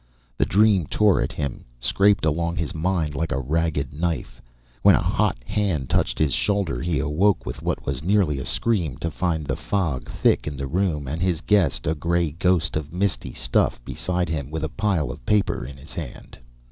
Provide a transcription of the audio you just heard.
The dream tore at him, scraped along his mind like a ragged knife. When a hot hand touched his shoulder, he awoke with what was nearly a scream to find the fog thick in the room and his guest, a gray ghost of misty stuff, beside him with a pile of paper in his hand.